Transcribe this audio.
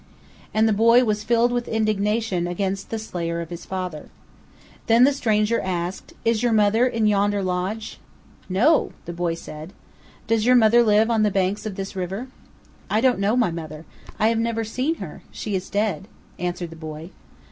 And the boy was filled with indignation against the slayer of his father. Then the stranger asked, THE RIO VIRGEN AND THE UINKARET MOUNTAINS. 305 "Is your mother in yonder lodge?" "No," the boy replied. "Does your mother live on the banks of this river?" "I don't know my mother; I have never seen her; she is dead," answered the boy.